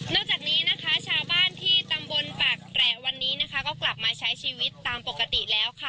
จากนี้นะคะชาวบ้านที่ตำบลปากแตรวันนี้นะคะก็กลับมาใช้ชีวิตตามปกติแล้วค่ะ